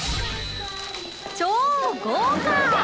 超豪華！